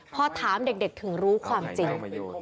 พอถามเด็กถึงรู้ความจริง